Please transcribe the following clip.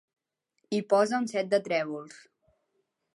Hi posa un set de trèvols.